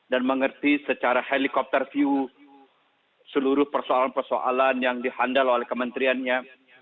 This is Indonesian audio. dan mengerti secara helicopter view seluruh persoalan persoalan yang dihandal oleh kementeriannya